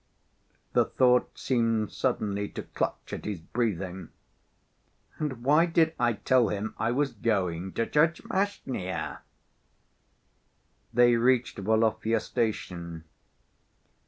The thought seemed suddenly to clutch at his breathing. "And why did I tell him I was going to Tchermashnya?" They reached Volovya station.